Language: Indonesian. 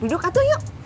duduk atuh yuk